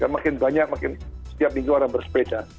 makin banyak makin setiap minggu orang bersepeda